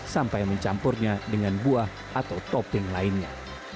sampai mencampurnya dengan buah atau topping lainnya